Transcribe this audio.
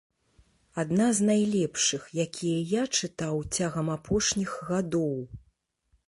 Адна з найлепшых, якія я чытаў цягам апошніх гадоў.